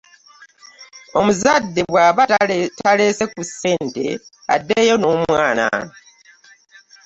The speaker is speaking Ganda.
Omuzadde bw'aba taleese ku ssente addeyo n'omwana.